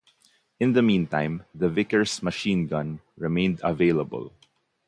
In the meantime, the Vickers machine gun remained available.